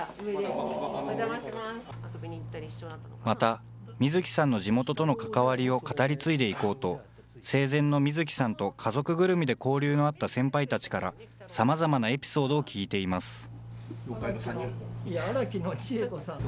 また、水木さんの地元との関わりを語り継いでいこうと、生前の水木さんと家族ぐるみで交流のあった先輩たちから、さまざまなエピソードを聞いています。